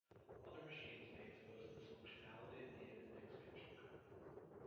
Other machines may expose this functionality via an expansion card.